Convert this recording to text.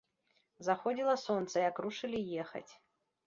Заходзіла сонца, як рушылі ехаць.